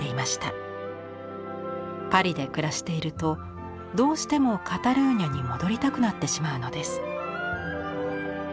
パリで暮らしているとどうしてもカタルーニャに戻りたくなってしまうのです。